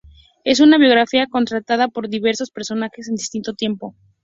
Es una biografía contada por diversos personajes en distinto tiempo.